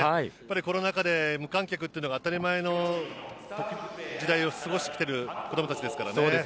コロナ禍で無観客というのが当たり前の時代を過ごしてきている子どもたちですからね。